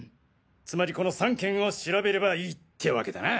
つまりこの３件を調べればいいってわけだな。